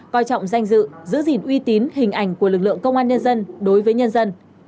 coi trọng danh dự giữ gìn uy tín hình ảnh của lực lượng công an nhân dân đối với nhân dân